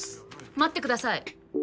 待ってください。